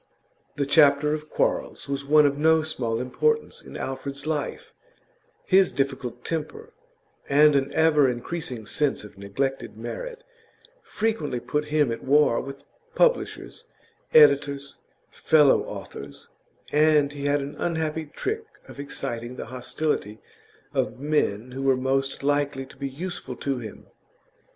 The chapter of quarrels was one of no small importance in Alfred's life; his difficult temper, and an ever increasing sense of neglected merit, frequently put him at war with publishers, editors, fellow authors, and he had an unhappy trick of exciting the hostility of men who were most likely to be useful to him.